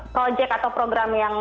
projek atau program yang